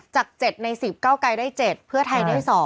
จาก๗ใน๑๐เก้าไกรได้๗เพื่อไทยได้๒